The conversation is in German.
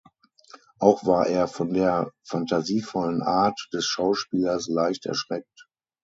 Auch war er von der fantasievollen Art des Schauspielers leicht erschreckt.